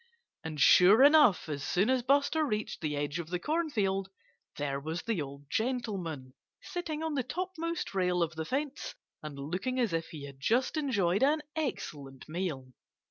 And sure enough! as soon as Buster reached the edge of the cornfield, there was the old gentleman, sitting on the topmost rail of the fence and looking as if he had just enjoyed an excellent meal.